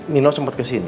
nino sempat kesini